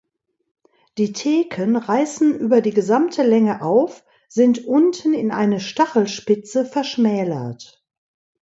Die Theken reißen über die gesamte Länge auf, sind unten in eine Stachelspitze verschmälert.